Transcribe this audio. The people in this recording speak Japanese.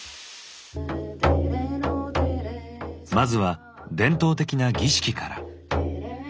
まずは伝統的な儀式から。